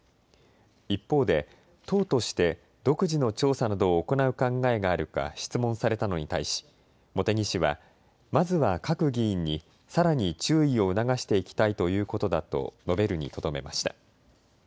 一方で党として独自の調査などを行う考えがあるか質問されたのに対し茂木氏は、まずは各議員にさらに注意を促していきたいということだと述べるにとどめました。